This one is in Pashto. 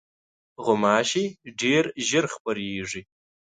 غوماشې ډېر ژر خپرېږي.